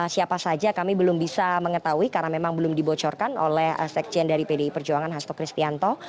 siapa saja kami belum bisa mengetahui karena memang belum dibocorkan oleh sekjen dari pdi perjuangan hasto kristianto